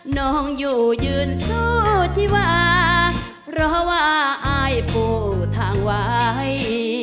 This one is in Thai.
น้องอยู่ยืนสู้ที่วาเพราะว่าอายปูทางไว้